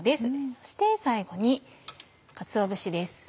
そして最後にかつお節です。